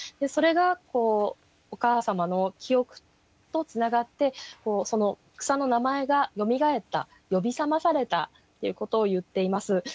それがお母様の記憶とつながってその草の名前が蘇った呼び覚まされたということを言っています。